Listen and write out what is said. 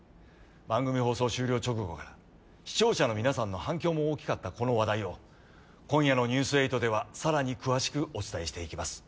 番組放送終了直後から視聴者の皆さんの反響も大きかったこの話題を今夜の「ニュース８」では更に詳しくお伝えしていきます。